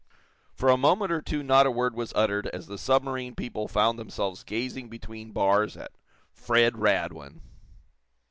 For a moment or two not a word was uttered as the submarine people found themselves gazing between bars at Fred Radwin.